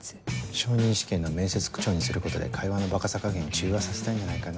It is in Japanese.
昇任試験の面接口調にすることで会話のバカさ加減を中和させたいんじゃないかな。